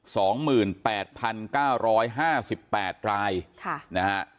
สองหมื่นแปดพันเก้าร้อยห้าสิบแปดรายค่ะนะฮะ